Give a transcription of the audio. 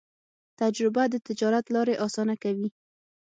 تجربه د تجارت لارې اسانه کوي.